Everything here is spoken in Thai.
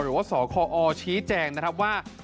หรือว่าสคอชี้แจงนะครับว่า